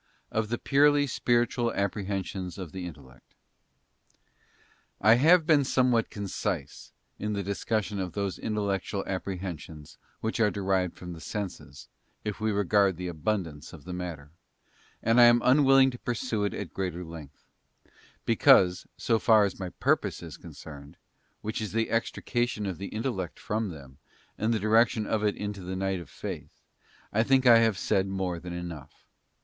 Of the purely Spiritual Apprehensions of the Intellect. I HAVE been somewhat concise in the discussion of those intellectual apprehensions which are derived from the senses, if we regard the abundance of the matter, and I am un willing to pursue it at greater length; because, so far as my purpose is concerned—which is the extrication of the intellect from them, and the direction of it into the Night of Faith— I think I have said more than enough.